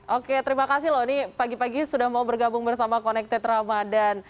oke terima kasih loh ini pagi pagi sudah mau bergabung bersama connected ramadan